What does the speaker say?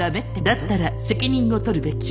「だったら責任を取るべき」